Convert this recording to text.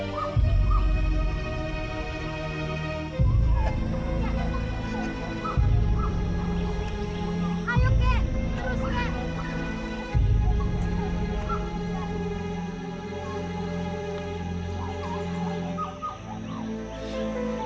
ayo kek terus kek